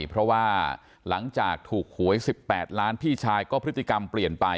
เพราะว่าหลังจากถูกหวย๑๘ล้านพี่ชายก็พฤติกรรมเปลี่ยนไป